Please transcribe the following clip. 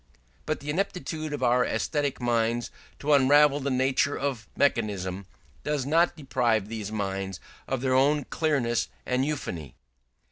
But the ineptitude of our aesthetic minds to unravel the nature of mechanism does not deprive these minds of their own clearness and euphony.